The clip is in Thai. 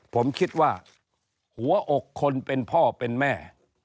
ผมคิดว่าหัวอกคนเป็นพ่อเป็นแม่